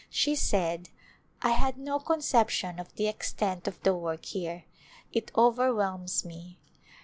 She said, " I had no conception of the extent of the work here. It overwhelms me."